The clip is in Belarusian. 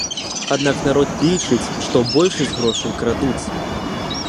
Аднак народ лічыць, што большасць грошай крадуць.